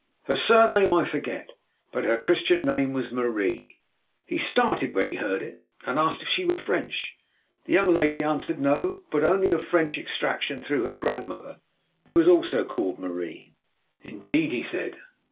Her surname I forget, but her Christian name was Marie. He started when he heard it, and asked if she were French. The young lady answered No, but only of French extraction through her grandmother, who also was called Marie. "Indeed?" he said.